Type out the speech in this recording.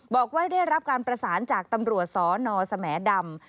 บอกว่าได้รับการประสานจากตำรวจสนสแหมดำ